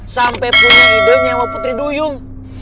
sampai punya ide nyawa putri duyung